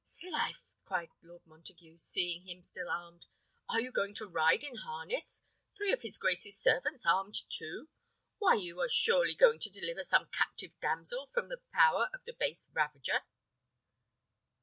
"'S life!" cried Lord Montague, seeing him still armed: "Are you going to ride in harness? Three of his grace's servants armed too! Why you are surely going to deliver some captive damsel from the power of a base ravager."